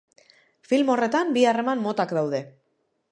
Film horretan bi harreman motak daude.